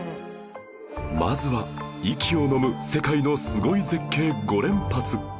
まずは息をのむ世界のスゴい絶景５連発